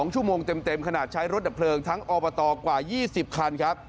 ๒ชั่วโมงเต็มขนาดใช้รถดับเพลิงทั้งอบตกว่า๒๐คันครับ